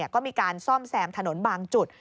ก็มีการซ่อมแซมถนนบางจุด